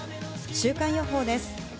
週間予報です。